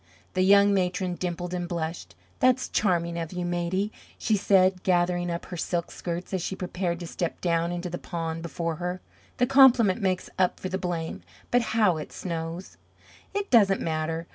The young matron dimpled and blushed. "That's charming of you, Maidie," she said, gathering up her silk skirts as she prepared to step down into the pond before her. "The compliment makes up for the blame. But how it snows!" "It doesn't matter.